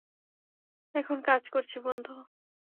এখন কাজ করছি, বন্ধু।